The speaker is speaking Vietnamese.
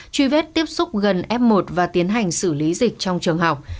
truy vết tiếp xúc gần f một và tiến hành xử lý dịch trong trường học